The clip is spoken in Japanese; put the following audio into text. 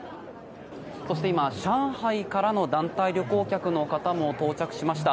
そして、今上海からの団体旅行客の方も到着しました。